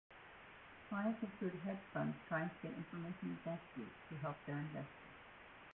Clients include hedge funds trying to get information advantages to help their investors.